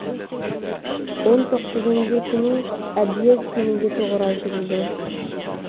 ئون توققۇزىنچى كۈنى ئەبيەز كۈنىگە توغرا كېلىدۇ.